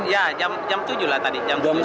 ya jam tujuh lah tadi